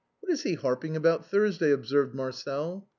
" What is he harping about Thursday ?" observed Marcel.